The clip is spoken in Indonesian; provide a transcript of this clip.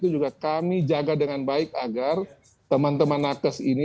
juga kami jaga dengan baik agar teman teman nakes ini